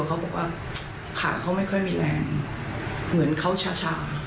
เขาบอกว่าขาเขาไม่ค่อยมีแรงเหมือนเขาชะ